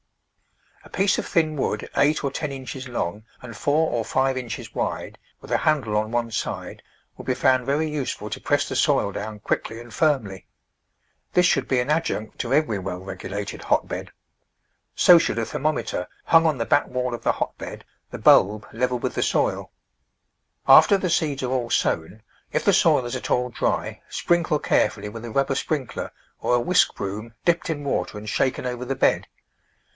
A piece of thin wood eight or ten inches long and four or five inches wide, with a handle on one side, will be found very useful to press the soil down quickly and firmly. This should be an adjunct to every well regulated hotbed. So should a thermometer, hung on the back wall of the hotbed, the bulb level with Digitized by Google 36 The Flower Garden [Chapter the soil. After the seeds are all sown, if the soil is at all dry, sprinkle carefully with a rubber sprinkler, or a whisk broom dipped in water and shaken over the bed.